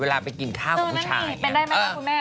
เวลาไปกินข้าวกับผู้ชาย